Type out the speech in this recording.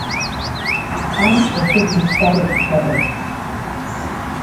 Han ez duk liskarrik izaten.